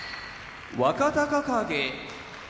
若隆景